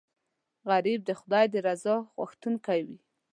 غریب د خدای د رضا غوښتونکی وي